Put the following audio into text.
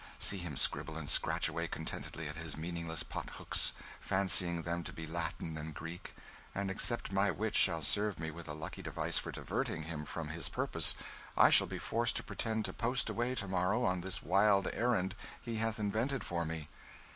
See him scribble and scratch away contentedly at his meaningless pot hooks, fancying them to be Latin and Greek and except my wit shall serve me with a lucky device for diverting him from his purpose, I shall be forced to pretend to post away to morrow on this wild errand he hath invented for me."